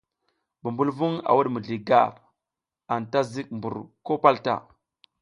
Bumbulvung a wud mizli gar, anta zik mbur ko pal ta.